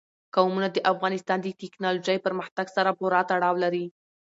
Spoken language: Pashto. قومونه د افغانستان د تکنالوژۍ پرمختګ سره پوره تړاو لري.